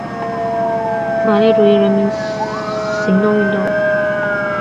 马列主义人民行动运动是尼加拉瓜的一个共产主义政党。